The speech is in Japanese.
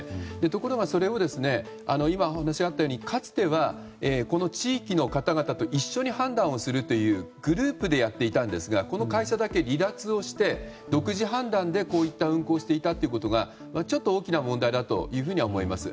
ところがそれを今お話があったようにかつてはこの地域の方々と一緒に判断をするというグループでやっていたんですがこの会社だけ離脱をして独自判断でこういった運航をしていたことがちょっと大きな問題だというふうには思います。